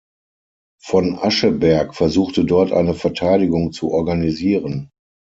Von Ascheberg versuchte dort eine Verteidigung zu organisieren.